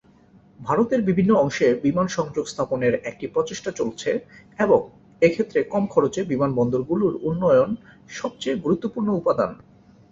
ভারতের বিভিন্ন অংশে বিমান সংযোগ স্থাপনের একটি প্রচেষ্টা চলছে এবং এক্ষেত্রে কম খরচে বিমানবন্দরগুলির উন্নয়ন সবচেয়ে গুরুত্বপূর্ণ উপাদান।